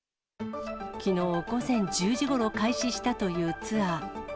きのう午前１０時ごろ開始したというツアー。